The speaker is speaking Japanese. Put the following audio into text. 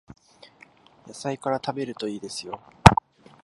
野菜から食べるといいですよ